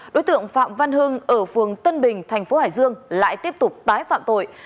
đối tượng phạm văn hưng ở phường tân bình thành phố hải dương lại tiếp tục tái phạm tội